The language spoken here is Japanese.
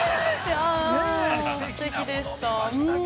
◆すてきでした。